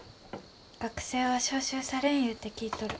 学生は召集されんいうて聞いとる。